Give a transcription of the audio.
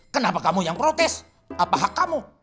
kenapa kamu yang protes apa hak kamu